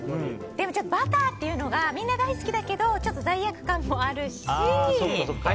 でも、バターっていうのがみんな大好きだけどちょっと罪悪感もあるし。